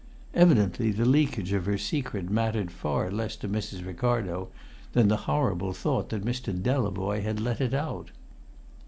Evidently the leakage of her secret mattered far less to Mrs. Ricardo than the horrible thought that Mr. Delavoye had let it out.